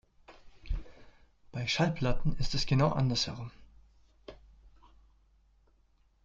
Bei Schallplatten ist es genau andersherum.